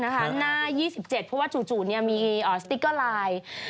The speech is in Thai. หน้า๒๗เพราะว่าจู่มีสติ๊กเกอร์ไลน์